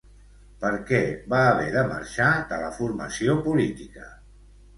Per què va haver de marxar de la formació política?